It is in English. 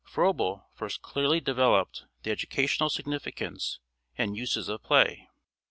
Froebel first clearly developed the educational significance and uses of play.